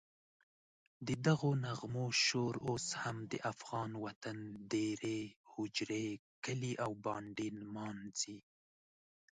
ددغو نغمو شور اوس هم د افغان وطن دېرې، هوجرې، کلي او بانډې نمانځي.